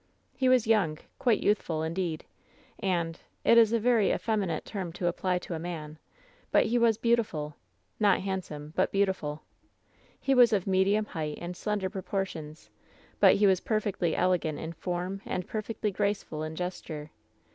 "He was young — quite youthful, indeed; and — it is a very effeminate term to apply to a man — ^but he was beautiful — not handsome, but beautiful. He was of medium height and slender proportions; but he was perfectly elegant in form and perfectly graceful in ges ture.